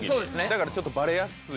だからちょっとバレやすい。